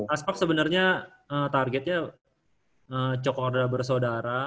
aspak sebenernya targetnya cokorda bersaudara